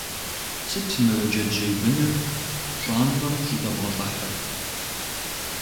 Сыт мы джэджьей быныр пщӀантӀэм щӀыдэбгъэлӀыхьыр?